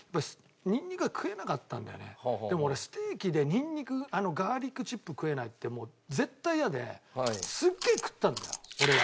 そしたらでも俺ステーキでニンニクガーリックチップ食えないって絶対嫌ですっげえ食ったのよ俺は。